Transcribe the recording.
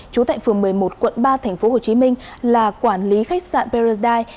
trú tại phường một mươi một quận ba thành phố hồ chí minh là quản lý khách sạn paradise